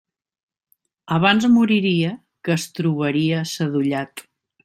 Abans moriria que es trobaria sadollat.